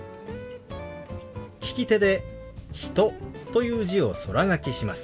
利き手で「人」という字を空書きします。